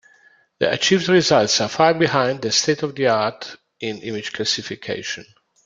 The achieved results are far behind the state-of-the-art in image classification.